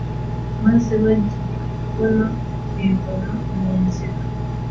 maze bagiye kubona bibona mu nzira.